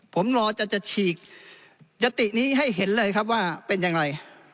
ผมรอจะจะฉีกยตินี้ให้เห็นเลยครับว่าเป็นอย่างไร